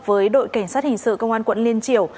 với đội cảnh sát hình sự công an quận liên triều